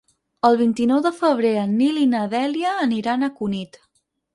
El vint-i-nou de febrer en Nil i na Dèlia aniran a Cunit.